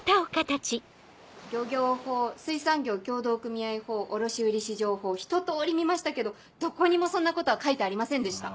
漁業法水産業協同組合法卸売市場法ひと通り見ましたけどどこにもそんなことは書いてありませんでした。